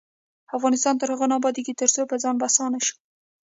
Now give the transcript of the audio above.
افغانستان تر هغو نه ابادیږي، ترڅو پر ځان بسیا نشو.